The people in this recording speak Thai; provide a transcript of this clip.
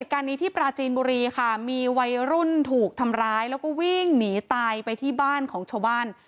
การนี้ที่ปราจีนบุรีค่ะมีวัยรุ่นถูกทำร้ายแล้วก็วิ่งหนีตายไปที่บ้านของชาวบ้าน